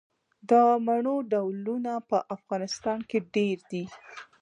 د مڼو ډولونه په افغانستان کې ډیر دي.